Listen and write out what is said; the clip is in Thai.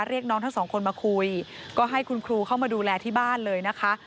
เรียกน้องทั้งสองคนมาคุยก็ให้คุณครูเข้ามาดูแลที่บ้านเลยนะคะ